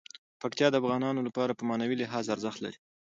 پکتیا د افغانانو لپاره په معنوي لحاظ ارزښت لري.